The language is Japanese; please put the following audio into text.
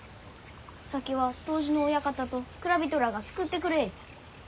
酒は杜氏の親方と蔵人らあが造ってくれゆう。